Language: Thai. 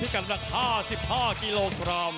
ที่กำลัง๕๕กิโลกรัม